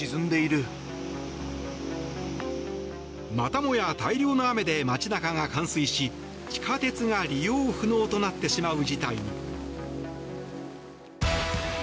またもや大量の雨で街中が冠水し地下鉄が利用不能となってしまう事態に。